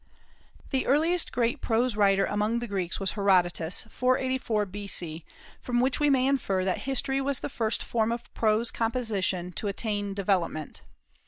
The earliest great prose writer among the Greeks was Herodotus, 484 B.C., from which we may infer that History was the first form of prose composition to attain development.